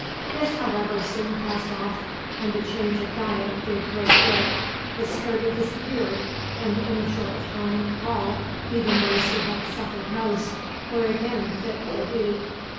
This, however, soon passed off, and the change of diet did great good. The scurvy disappeared, and in a short time all even those who had suffered most were again fit for duty.